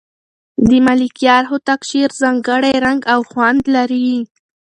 د ملکیار هوتک شعر ځانګړی رنګ او خوند لري.